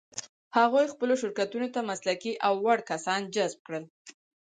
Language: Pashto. هغوی خپلو شرکتونو ته مسلکي او وړ کسان جذب کړل.